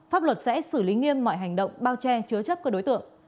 pháp luật sẽ xử lý nghiêm mọi hành động bao che chứa chấp các đối tượng